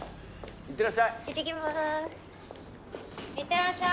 行ってらっしゃい。